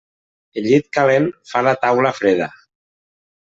El llit calent fa la taula freda.